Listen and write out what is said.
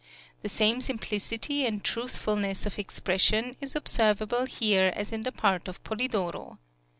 " "The same simplicity and truthfulness of expression is observable here as in the part of Polidoro.